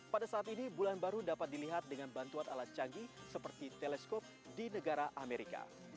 pada saat ini bulan baru dapat dilihat dengan bantuan alat canggih seperti teleskop di negara amerika